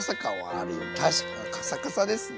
確かにカサカサですね。